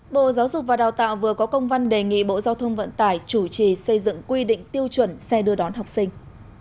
bộ giáo dục và đào tạo vừa có công văn đề nghị bộ giao thông vận tải chủ trì xây dựng quy định tiêu chuẩn xe đưa đón học sinh